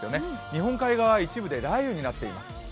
日本海側は一部で雷雨になっています。